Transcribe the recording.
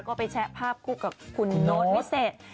ก็ไปแชะภาพคู่กับคุณโน๊ตวิเศษ